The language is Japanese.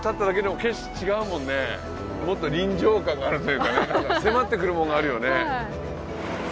もっと臨場感があるというかね何か迫ってくるものがあるよね。